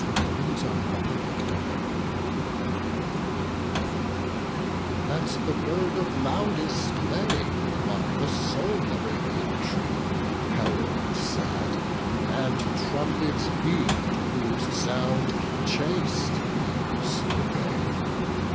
The Phoenix and the Turtle LET the bird of loudest lay On the sole Arabian tree, Herald sad and trumpet be, To whose sound chaste wings obey.